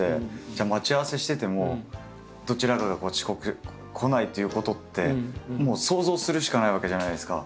じゃあ待ち合わせしててもどちらかが遅刻来ないっていうことってもう想像するしかないわけじゃないですか。